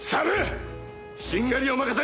しんがりを任せる！